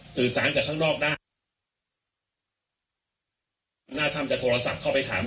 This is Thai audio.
สื่อสารกับข้างนอกได้หัวหน้าถ้ำจะโทรศัพท์เข้าไปถาม